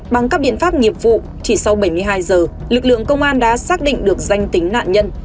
bằng các biện pháp nghiệp vụ chỉ sau bảy mươi hai giờ lực lượng công an đã xác định được danh tính nạn nhân